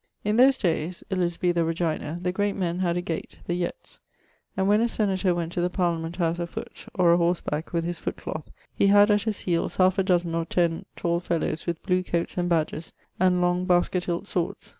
In those days (Elizabetha regina) the great men had a gate (the yettes), and when a senator went to the Parliament house a foote, or a horse back with his foot cloath, he had at his heeles 1/2 a dozen or 10 tall fellowes with blew coates and badges and long basket hilt swords.